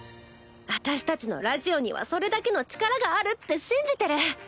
私たちのラジオにはそれだけの力があるって信じてる。